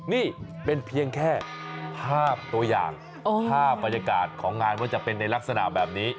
นี่เป็นเพียงแค่ภาพตัวอย่างภาพบรรยากาศของงานว่าจะเป็นในลักษณะแบบนี้